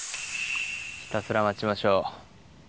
ひたすら待ちましょう。